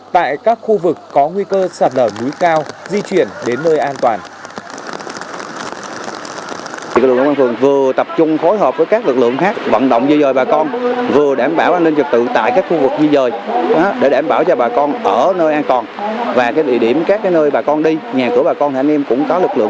tại các khu vực có nguy cơ sạt lở núi cao di chuyển đến nơi an toàn